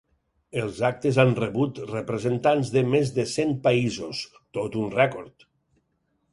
Els actes han rebut representants de més de cent països, tot un rècord.